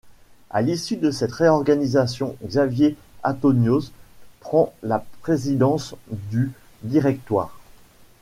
À l'issue de cette réorganisation, Xavier Anthonioz prend la présidence du directoire.